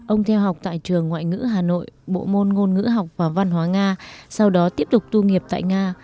ông theo học tại trường ngoại ngữ hà nội bộ môn ngôn ngữ học và văn hóa nga sau đó tiếp tục tu nghiệp tại nga